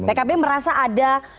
pkb merasa ada